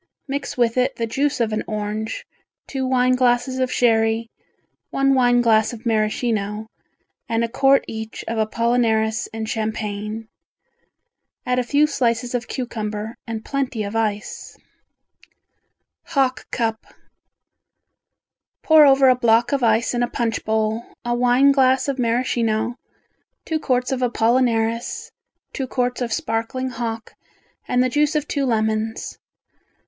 Mix with it the juice of an orange, two wine glasses of sherry, one wine glass of Maraschino, and a quart each of apollinaris and champagne. Add a few slices of cucumber and plenty of ice. Hock Cup Pour over a block of ice in a punch bowl, a wine glass of Maraschino, two quarts of apollinaris, two quarts of sparkling hock and the juice of two lemons.